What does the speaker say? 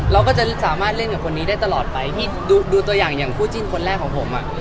เราก็จะสามารถเล่นกับคนนี้ได้ตลอดไปพี่ดูตัวอย่างอย่างคู่จิ้นคนแรกของผมอ่ะ